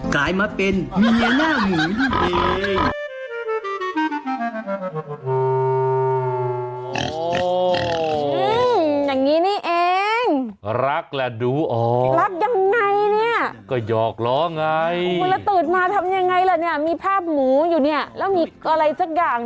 กลายมาเป็นเมียหน้าหมูด้วยเอง